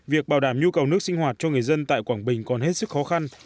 việc bảo đảm nhu cầu nước sinh hoạt cho người dân tại quảng bình còn hết sức khó khăn